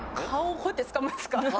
こうやってつかむんですか？